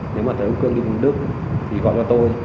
nếu mà thấy ông cương đi cùng đức thì gọi cho tôi